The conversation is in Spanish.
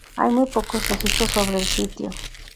Hay muy pocos registros sobre el sitio.